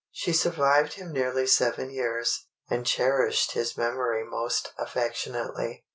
She survived him nearly seven years, and cherished his memory most affectionately.